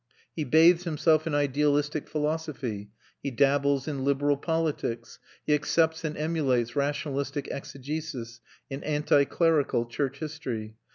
He bathes himself in idealistic philosophy, he dabbles in liberal politics, he accepts and emulates rationalistic exegesis and anti clerical church history.